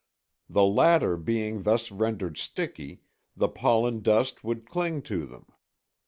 The latter being thus rendered sticky, the pollen dust would cling to them.